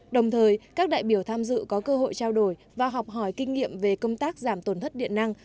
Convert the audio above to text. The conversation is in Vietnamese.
đồng thời các đại biểu tham dự có cơ hội trao đổi và học hỏi kinh nghiệm về công tác giảm tổn thất điện năng